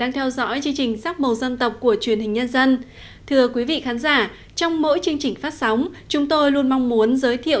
thưa quý vị khán giả trong mỗi chương trình phát sóng chúng tôi luôn mong muốn giới thiệu